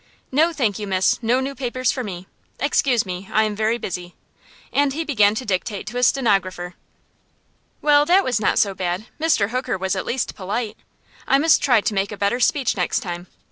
"No, thank you, Miss; no new papers for me. Excuse me, I am very busy." And he began to dictate to a stenographer. Well, that was not so bad. Mr. Hooker was at least polite. I must try to make a better speech next time.